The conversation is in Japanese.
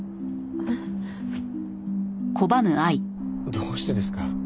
どうしてですか？